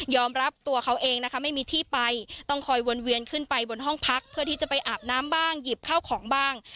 รับตัวเขาเองนะคะไม่มีที่ไปต้องคอยวนเวียนขึ้นไปบนห้องพักเพื่อที่จะไปอาบน้ำบ้างหยิบข้าวของบ้าง